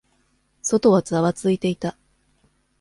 外はざわついていた。